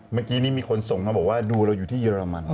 เมื่อกี้นี้มีคนส่งมาบอกว่าดูเราอยู่ที่เยอรมัน